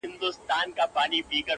• په هوا به دي تر بله ډنډه یوسو -